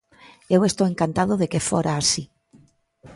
Eu estou encantado de que fora así.